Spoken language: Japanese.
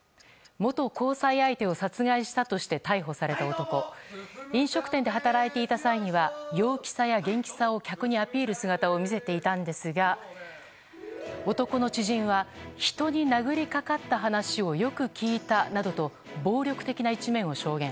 元交際相手を殺害したとして逮捕された男飲食店で働いていた際には陽気さや元気さを客にアピールする姿を見せていたんですが男の知人は人に殴りかかった話をよく聞いたと暴力的な一面を証言。